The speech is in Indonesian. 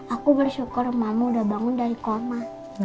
aku bersyukur mamamu udah bangun dari koma